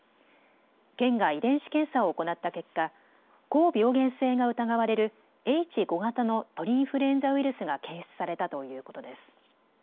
県が遺伝子検査を行った結果、高病原性が疑われるＨ５型の鳥インフルエンザウイルスが検出されたということです。